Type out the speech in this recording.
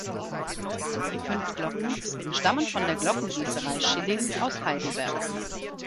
Die fünf Glocken stammen von der Glockengießerei Schilling aus Heidelberg.